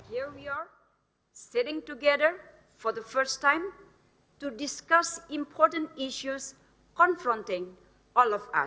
yang bisa mengakhiri isu penting di hadapan kita semua